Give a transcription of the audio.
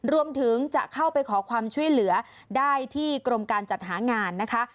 รวมถึงจะเข้าไปขอความช่วยเหลือได้ที่กรมการจัดหางานนะคะ